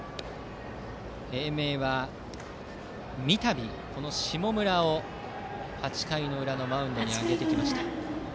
英明は三度、この下村を８回の裏のマウンドへ上げました。